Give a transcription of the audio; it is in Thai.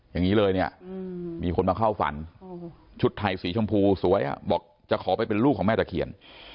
อย่างนี้เลยเนี่ยมีคนมาเข้าฝันชุดไทยสีชมพูสวยบอกจะขอไปเป็นลูกของแม่ตะเคียน